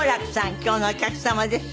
今日のお客様です。